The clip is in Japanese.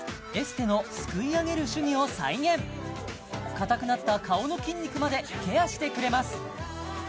硬くなった顔の筋肉までケアしてくれます